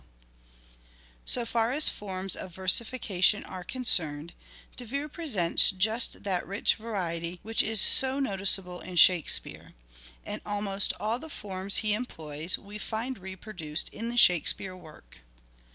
Six lined So far as forms of versification are concerned De Vere presents just that rich variety which is so notice able in Shakespeare ; and almost all the forms he employs we find reproduced in the Shakespeare work.